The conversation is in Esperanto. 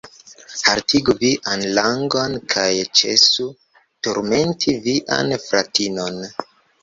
Haltigu vian langon kaj ĉesu turmenti vian fratinon.